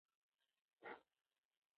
ځانګړی د لرګیو وهونکو په څېر ښکارې.